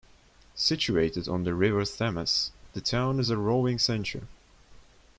Situated on the River Thames, the town is a rowing centre.